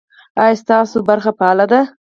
ایا ستاسو ونډه فعاله ده؟